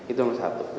itu yang pertama